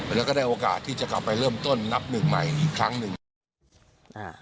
แล้วก็ได้โอกาสที่จะเข้าไปเริ่มต้นนับมือใหม่อีกครั้งหนึ่งอ่า